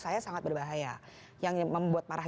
saya sangat berbahaya yang membuat marah